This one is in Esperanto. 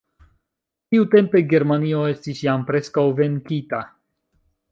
Tiutempe Germanio estis jam preskaŭ venkita.